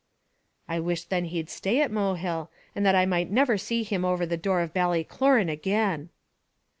"I wish then he'd stay at Mohill, and that I might never see him over the door at Ballycloran again!"